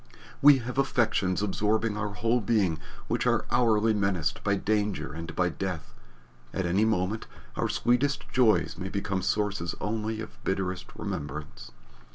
We have affections absorbing our whole being which are hourly menaced by danger and by death at any moment our sweetest joys may become sources only of bitterest remembrance.